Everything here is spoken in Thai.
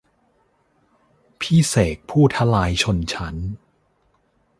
พี่เสกผู้ทลายชนชั้น